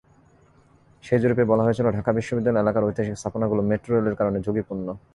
সেই জরিপে বলা হয়েছিল, ঢাকা বিশ্ববিদ্যালয় এলাকার ঐতিহাসিক স্থাপনাগুলো মেট্রোরেলের কারণে ঝুঁকিপূর্ণ।